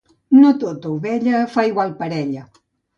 No tota ovella fa igual parella.